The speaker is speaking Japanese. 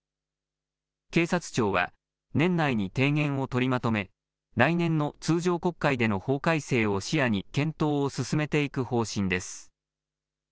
警察庁は、年内に提言を取りまとめ、来年の通常国会での法改正を視野に検討を進めていく方針です。